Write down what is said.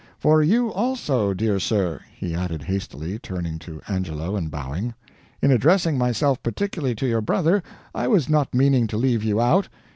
"For you also, dear sir," he added hastily, turning to Angelo and bowing. "In addressing myself particularly to your brother, I was not meaning to leave you out.